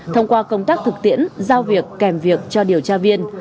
thông qua công tác thực tiễn giao việc kèm việc cho điều tra viên